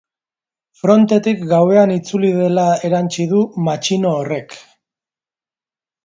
Frontetik gauean itzuli dela erantsi du matxino horrek.